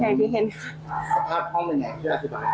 เจ้าของห้องเช่าโพสต์คลิปนี้